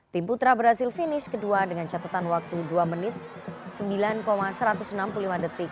tim putra berhasil finish kedua dengan catatan waktu dua menit sembilan satu ratus enam puluh lima detik